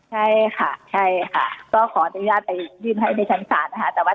ใช่ค่ะก็ขออนุญาตได้นะไปยืนให้ในการศาล๓